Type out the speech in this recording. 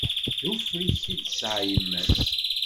D ufrik i t-id-tesɛa yemma s.